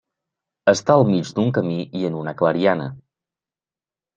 Està al mig d'un camí i en una clariana.